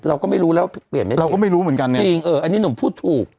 เราก็ไม่รู้แล้วเปลี่ยนไม่ได้เราก็ไม่รู้เหมือนกันนะจริงเอออันนี้หนุ่มพูดถูก